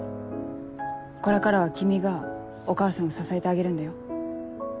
これからは君がお母さんを支えてあげるんだよ。